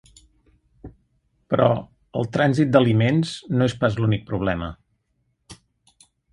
Però el trànsit d’aliments no és pas l’únic problema.